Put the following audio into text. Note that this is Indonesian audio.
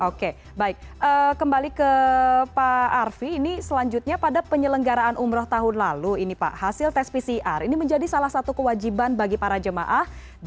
oke baik kembali ke pak arfi ini selanjutnya pada penyelenggaraan umroh tahun lalu ini pak hasil tes pcr ini menjadi salah satu kewajiban bagi para jemaah